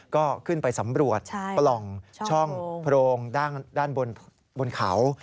ก็ขึ้นไปสำรวจปล่องช่องโพรงด้านบนเขา